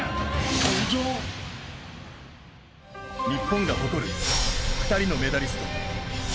日本が誇る２人のメダリスト。